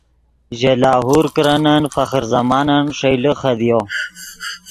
ژے لاہور کرنن فخر زمانن ݰئیلے خدیو